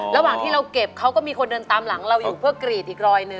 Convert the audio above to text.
ระหว่างที่เราเก็บเขาก็มีคนเดินตามหลังเราอยู่เพื่อกรีดอีกรอยหนึ่ง